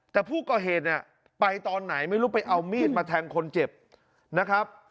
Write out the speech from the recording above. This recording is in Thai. แต่ผู้ก่อเหตุเนี่ยไปตอนไหนไม่รู้ไปเอามีดมาแทงคนเจ็บนะครับ